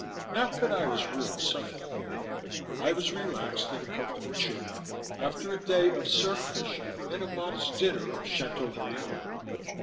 Not that I was really suffering. I was relaxed in a comfortable chair, after a day of surf fishing and a modest dinner of Chateaubriand.